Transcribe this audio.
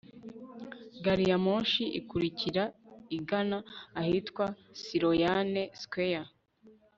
Gari ya moshi ikurikira igana ahitwa Sloane Square